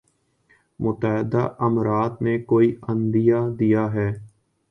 متحدہ امارات نے کوئی عندیہ دیا ہے۔